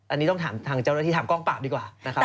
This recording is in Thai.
อันนี้ต้องถามทางเจ้าหน้าที่ทำกล้องปราบดีกว่านะครับ